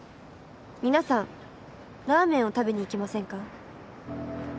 皆さんラーメンを食べに行きませんか？